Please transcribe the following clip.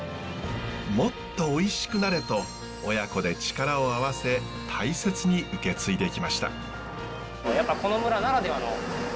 もっとおいしくなれと親子で力を合わせ大切に受け継いできました。